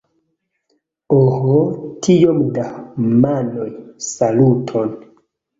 Oh tiom da manoj, saluton!